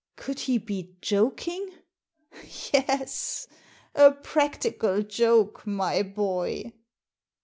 Could he be joking? Yes, a practical joke, my boy."